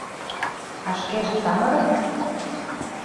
— А шкеже самырык?